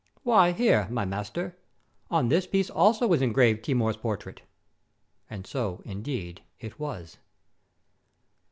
"Why, here, my master, on this piece also is engraved Timur's portrait!" And so, indeed, it was.